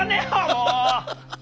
もう！